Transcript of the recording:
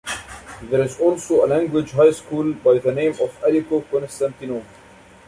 There is also a language high school by the name of Aleko Konstantinov.